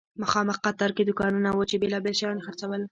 مخامخ قطار کې دوکانونه وو چې بیلابیل شیان یې خرڅول.